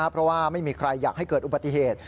เพราะว่าไม่มีใครอยากให้เกิดอุบัติเหตุ